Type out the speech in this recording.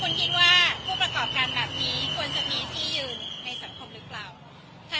คุณคิดว่าผู้ประกอบการแบบนี้ควรจะมีที่ยืนในสังคมหรือเปล่า